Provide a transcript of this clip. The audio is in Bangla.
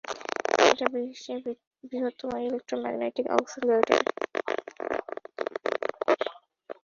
এটা বিশ্বের বৃহত্তম ইলেক্ট্রোম্যাগনেটিক অ্যাক্সিলারেটর।